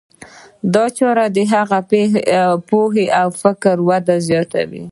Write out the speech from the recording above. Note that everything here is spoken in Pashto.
دا چاره د هغه پوهه او فکري وده زیاتوي.